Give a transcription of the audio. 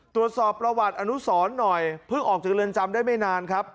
ตรวจสอบประวัติอนุสรหน่อยเพิ่งออกจากเรือนจำได้ไม่นานครับ